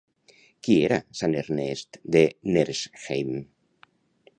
Qui era Sant Ernest de Neresheim?